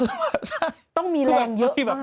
ที่วันก็อยู่อย่างเยอะต้องมีแรงเยอะ